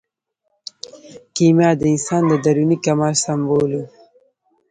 کیمیا د انسان د دروني کمال سمبول و.